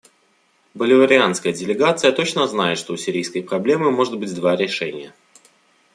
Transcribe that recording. Боливарианская делегация точно знает, что у сирийской проблемы может быть два решения.